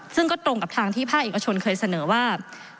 ซึ่งก็ตรงกับทางที่ภาคเอกชนเคยเสนอว่า